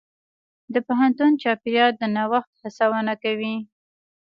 د پوهنتون چاپېریال د نوښت هڅونه کوي.